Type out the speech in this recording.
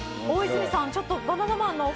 大泉さんちょっと。